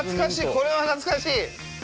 これは懐かしい。